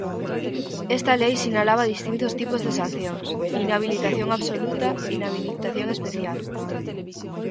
Esta lei sinalaba distintos tipos de sancións: "inhabilitación absoluta", "inhabilitación especial".